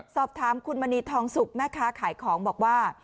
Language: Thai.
สอบถามคุณมณีทองสุกแม่ค้าขายของบอกว่า